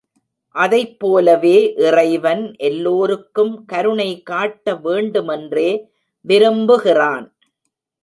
அதைப்போலவே இறைவன் எல்லோருக்கும் கருணை காட்ட வேண்டுமென்றே விரும்புகிறான்.